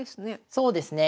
そうですね。